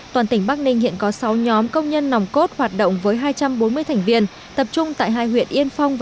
toàn tỉnh bắc ninh hiện có sáu nhóm công nhân nòng cốt hoạt động với hai trăm bốn mươi thành viên tập trung tại hai huyện yên phong